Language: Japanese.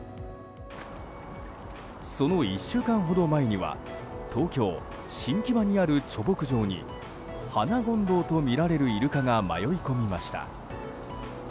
その１週間ほど前には東京・新木場にある貯木場にハナゴンドウとみられるイルカが迷い込みました。